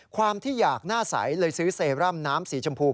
ความที่อยากหน้าใสเลยซื้อเซรั่มน้ำสีชมพู